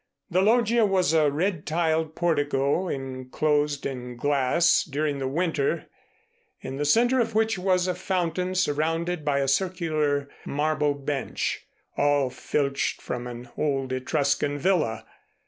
The loggia was a red tiled portico, enclosed in glass during the winter, in the center of which was a fountain surrounded by a circular marble bench, all filched from an old Etruscan villa.